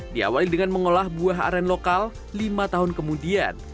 diawali dengan mengolah buah aren lokal lima tahun kemudian